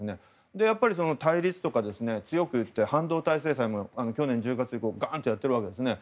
やっぱり対立とか強く言って半導体政策も去年１０月にガーンとやってるわけですよね。